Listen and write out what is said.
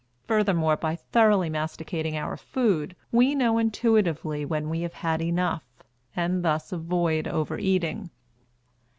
Furthermore, by thoroughly masticating our food, we know intuitively when we have had enough, and thus avoid overeating.